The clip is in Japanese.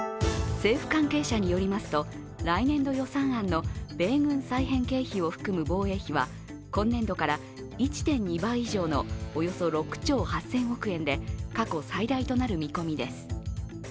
政府関係者によりますと来年度予算案の米軍再編経費を含む防衛費は今年度から１．２倍以上のおよそ６兆８０００億円で過去最大となる見込みです。